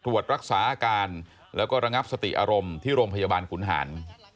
รักษาอาการแล้วก็ระงับสติอารมณ์ที่โรงพยาบาลขุนหาร